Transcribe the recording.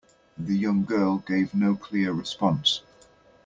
The young girl gave no clear response.